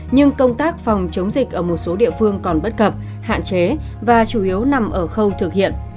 nhưng công tác phòng chống dịch ở một số địa phương còn bất cập hạn chế và chủ yếu nằm ở khâu thực hiện